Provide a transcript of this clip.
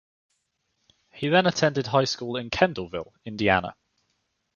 He then attended high school in Kendallville, Indiana.